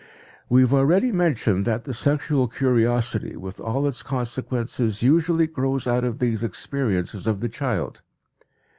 We have already mentioned that sexual curiosity with all its consequences usually grows out of these experiences of the child.